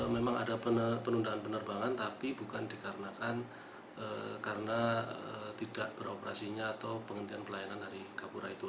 memang ada penundaan penerbangan tapi bukan dikarenakan karena tidak beroperasinya atau penghentian pelayanan dari gapura itu